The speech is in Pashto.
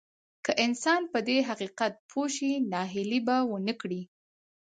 که انسان په دې حقيقت پوه شي ناهيلي به ونه کړي.